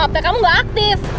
aptek kamu gak aktif